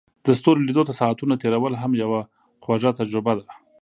د ستورو لیدو ته ساعتونه تیرول هم یوه خوږه تجربه ده.